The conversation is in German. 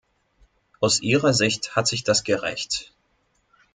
Aus ihrer Sicht hat sich das gerächt.